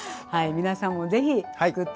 皆さんも是非作ってみて下さいね。